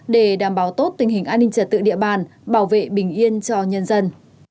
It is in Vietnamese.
để đảm bảo tốt tình hình an ninh trật tự địa bàn bảo vệ bình yên cho nhân dân